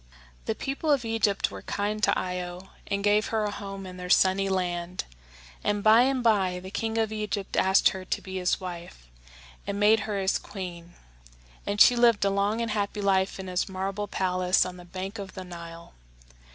The people of Egypt were kind to Io, and gave her a home in their sunny land; and by and by the king of Egypt asked her to be his wife, and made her his queen; and she lived a long and happy life in his marble palace on the bank of the Nile.